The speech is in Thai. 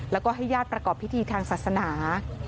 แล้วก็ให้ญาติประกอบพิธีทางศาสนา